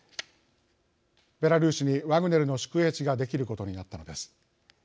ベラルーシにワグネルの宿営地が出来ることになったのです。